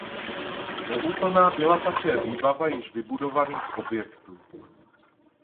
Neúplná byla také výbava již vybudovaných objektů.